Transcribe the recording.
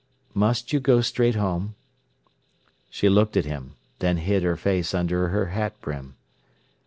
"Must you go straight home?" She looked at him, then hid her face under her hat brim.